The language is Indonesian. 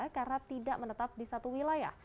karena tidak menetap di satu wilayah